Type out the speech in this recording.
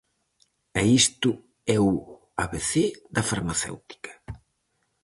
E isto é o abecé da farmacéutica.